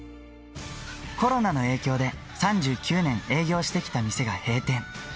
コロナの影響で、３９年営業してきた店が閉店。